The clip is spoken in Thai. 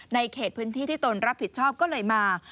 เขตพื้นที่ที่ตนรับผิดชอบก็เลยมา